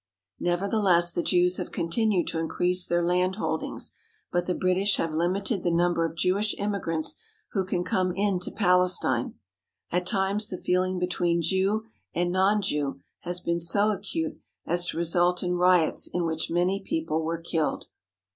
Nevertheless, the Jews have continued to increase their land holdings, but the British have lim ited the number of Jewish immigrants who can come into Palestine. At times the feeling between Jew and non Jew has been so acute as to result in riots in which many people were killed.